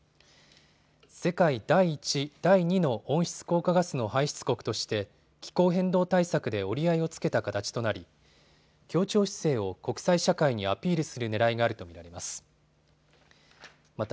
世界第１、第２の温室効果ガスの排出国として気候変動対策で折り合いをつけた形となり協調姿勢を国際社会にアピールするねらいがあると見られます。